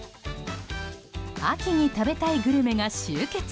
秋に食べたいグルメが集結。